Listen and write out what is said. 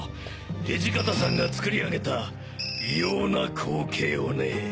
土方さんが作り上げた異様な光景をね。